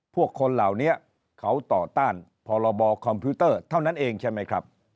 พวกคนเหล่านี้เขาต่อต้านพรบคอมพิวเตอร์เท่านั้นเองใช่ไหมครับ